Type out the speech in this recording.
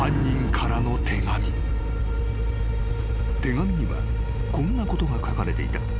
［手紙にはこんなことが書かれていた］